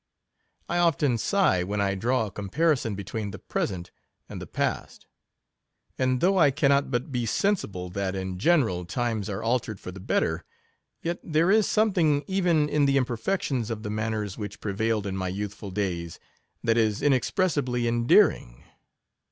I often sigh when I draw a comparison between the present and the past; and though J can not but be sensible that, in general, times are altered for the better, yet there is something even in the imperfections of the manners which prevailed in my youthful days, that is inexpressibly endearing.